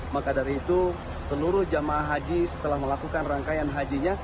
maka dari itu seluruh jemaah haji setelah melakukan rangkaian hajinya